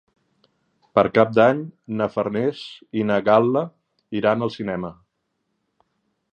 Per Cap d'Any na Farners i na Gal·la iran al cinema.